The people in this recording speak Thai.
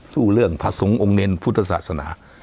สู้เรื่องผักสงฆ์องเงลภุตศาสนา